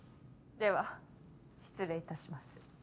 では失礼いたします。